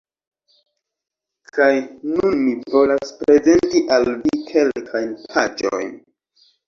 Kaj nun mi volas prezenti al vi kelkajn paĝojn